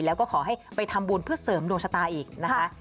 แล้วก็ขอให้ไปทำบุญเพื่อเสริมดวงชะตาอีกนะคะ